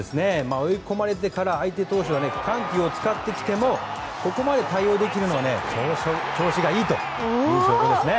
追い込まれてから相手投手が緩急を使ってきてもここまで対応できるのは調子がいいという証拠ですね。